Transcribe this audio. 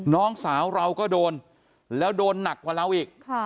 น้องสาวเราก็โดนแล้วโดนหนักกว่าเราอีก